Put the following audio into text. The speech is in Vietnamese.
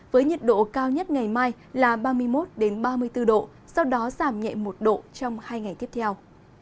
với nhiệt độ cao nhất ngày mai là ba mươi một ba mươi bốn độ sau đó giảm nhẹ một độ trong hai ngày tiếp theo